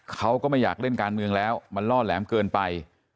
เขาก็ไม่อยากเล่นการเมืองแล้วมันล่อแหลมเกินไป